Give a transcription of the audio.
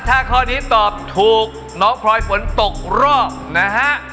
ถ้าข้อนี้ตอบถูกน้องพลอยฝนตกรอบนะฮะ